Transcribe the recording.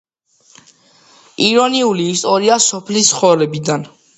ირონიული ისტორია სოფლის ცხოვრებიდან.